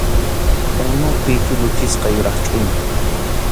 Unupi chulluchisqa yuraq chʼuñu.